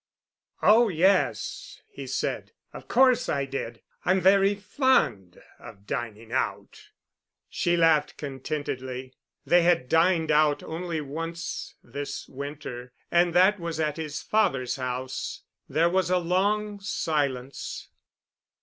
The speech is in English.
"Oh, yes," he said, "of course I did. I'm very fond of dining out." She laughed contentedly. They had dined out only once this winter, and that was at his father's house. There was a long silence.